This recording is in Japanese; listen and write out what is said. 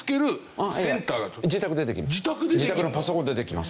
自宅のパソコンでできます。